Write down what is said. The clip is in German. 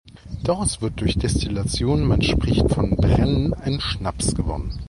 Daraus wird durch Destillation, man spricht vom Brennen, ein Schnaps gewonnen.